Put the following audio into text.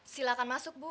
silahkan masuk bu